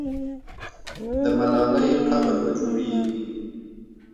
د ملالۍ قبر به جوړېږي.